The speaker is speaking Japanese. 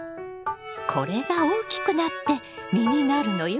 これが大きくなって実になるのよ。